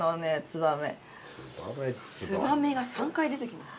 つばめが３回出てきます。